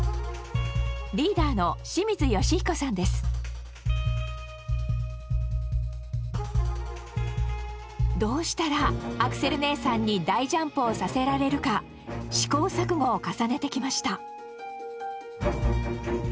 リーダーのどうしたらアクセル姉さんに大ジャンプをさせられるか試行錯誤を重ねてきました。